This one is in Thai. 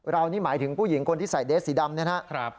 นี่หมายถึงผู้หญิงคนที่ใส่เดสสีดำนะครับ